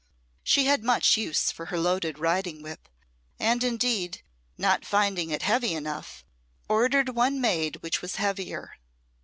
She had much use for her loaded riding whip; and indeed, not finding it heavy enough, ordered one made which was heavier.